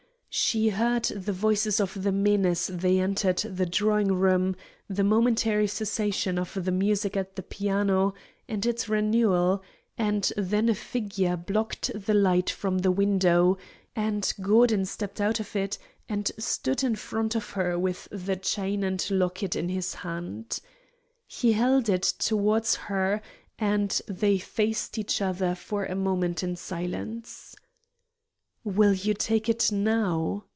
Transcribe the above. She heard the voices of the men as they entered the drawing room, the momentary cessation of the music at the piano, and its renewal, and then a figure blocked the light from the window, and Gordon stepped out of it and stood in front of her with the chain and locket in his hand. He held it towards her, and they faced each other for a moment in silence. "Will you take it now?"